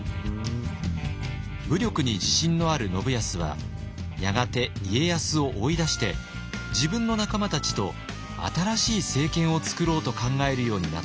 武力に自信のある信康はやがて家康を追い出して自分の仲間たちと新しい政権を作ろうと考えるようになったようです。